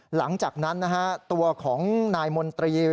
หลังจากนั้นนะฮะตัวของนายมนตรี